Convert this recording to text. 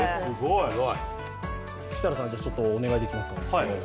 設楽さん、じゃあ、お願いできますか。